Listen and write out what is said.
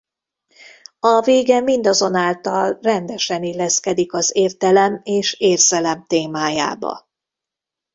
A vége mindazonáltal rendesen illeszkedik az értelem és érzelem témájába.